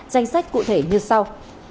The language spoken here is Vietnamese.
danh sách cụ thể như sau